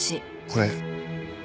これ。